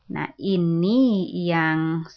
nah ini yang soya